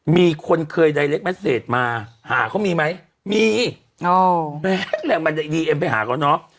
มีคนเคยมาหาเขามีไหมมีอ๋อแบบแหละมาไปหาเขาเนอะ